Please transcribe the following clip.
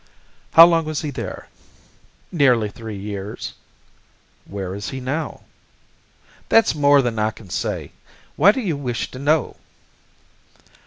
"How long was he there?" "Nearly three years." "Where is he now?" "That's more than I can say. Why do you wish to know?"